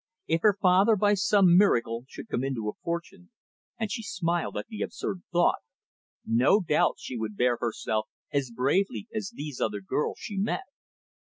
If her father by some miracle should come into a fortune, and she smiled at the absurd thought, no doubt she would bear herself as bravely as these other girls she met.